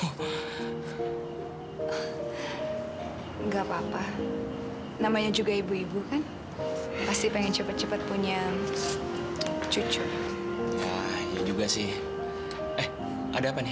enggak papa namanya juga ibu ibu kan pasti pengen cepet cepet punya cucu juga sih eh ada apa nih